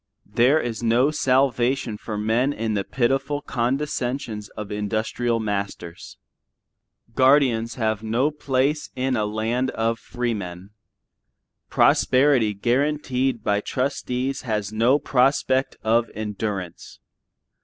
There is no salvation for men in the pitiful condescensions of industrial masters. Guardians have no place in a land of freemen. Prosperity guaranteed by trustees has no prospect of endurance.